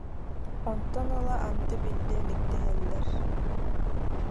Онтон ыла анды биллэ илик дэһэллэр